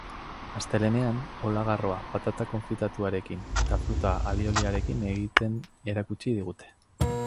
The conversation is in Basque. Astelehenean, olagarroa, patata konfitatuarekin eta fruta alioliarekin egiten erakutsi digute.